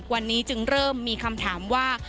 วันนี้จึงเริ่มมีคำถามว่า